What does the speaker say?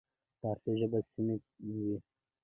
فارسي ژبې سیمې وې.